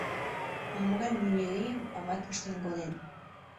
Ала-могай муньырим ават ыштен коден.